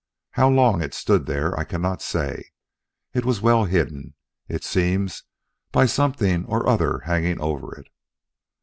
How long it stood there I cannot say. It was well hidden, it seems, by something or other hanging over it.